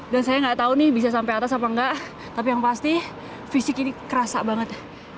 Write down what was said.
dan saya nggak tahu nih bisa sampai atas apa nggak tapi yang pasti fisik ini kerasa banget